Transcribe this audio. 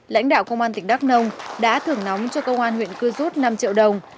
lãnh đạo công an tỉnh đắk nông đã thưởng nóng cho công an huyện cư rút năm triệu đồng